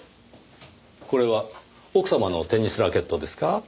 これは奥様のテニスラケットですか？